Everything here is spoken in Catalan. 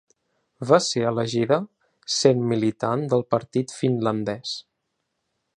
Va ser elegida sent militant del Partit Finlandès.